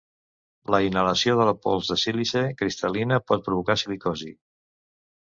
La inhalació de la pols de silici cristal·lina pot provocar silicosi.